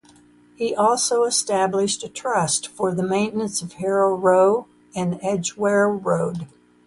He also established a trust for the maintenance of Harrow Road and Edgware Road.